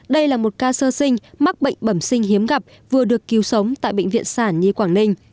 đây là một ca sơ sinh mắc bệnh bẩm sinh hiếm gặp vừa được cứu sống tại bệnh viện sản nhi quảng ninh